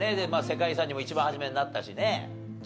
世界遺産にも一番初めになったしね。